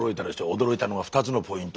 驚いたのは２つのポイント。